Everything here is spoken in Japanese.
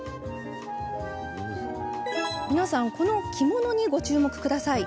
皆さん、この着物にご注目ください。